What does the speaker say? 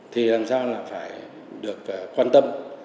thì làm sao là phải được quan tâm